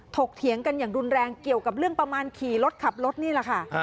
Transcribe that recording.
เถียงกันอย่างรุนแรงเกี่ยวกับเรื่องประมาณขี่รถขับรถนี่แหละค่ะ